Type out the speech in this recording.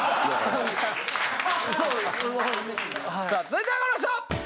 さあ続いてはこの人！